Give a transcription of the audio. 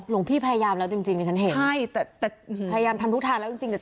หลวงพี่พยายามแล้วจริงจริงดิฉันเห็นใช่แต่แต่พยายามทำทุกทางแล้วจริงจริงอ่ะ